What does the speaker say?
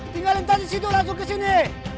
tinggal entah di situ langsung ke sini